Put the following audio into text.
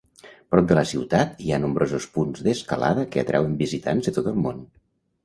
Prop de la ciutat hi ha nombrosos punts d'escalada que atrauen visitants de tot el món.